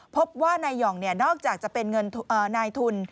พบว่านายห่องนอกจากจะเป็นเงินนายทุน